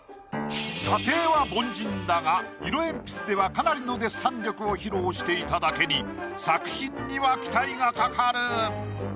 査定は凡人だが色鉛筆ではかなりのデッサン力を披露していただけに作品には期待が懸かる。